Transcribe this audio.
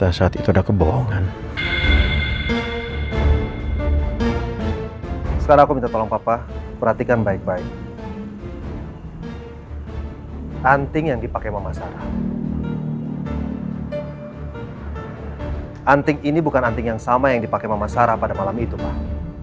anting ini bukan anting yang sama yang dipakai mama sarah pada malam itu pak